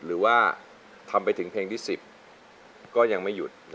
หรือว่าทำไปถึงเพลงที่๑๐ก็ยังไม่หยุด